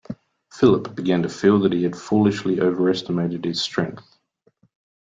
Philip began to feel that he had foolishly overestimated his strength.